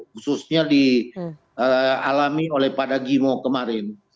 khususnya dialami oleh pada gimo kemarin